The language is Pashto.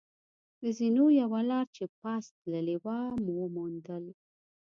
د زینو یوه لار چې پاس تللې وه، و موندل.